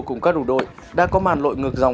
cùng các đồng đội đã có màn lội ngược dòng